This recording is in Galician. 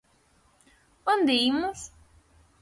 ¿Onde imos?